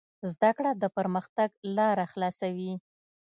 زده کړه د پرمختګ لاره خلاصوي.